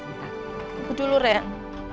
tunggu dulu ren